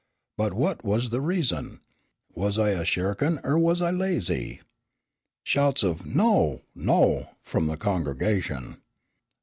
But what was the reason? Was I a shirkin' er was I lazy?" Shouts of "No! No!" from the congregation.